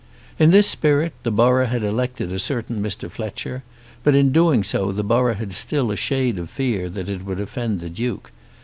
In this spirit the borough had elected a certain Mr. Fletcher; but in doing so the borough had still a shade of fear that it would offend the Duke.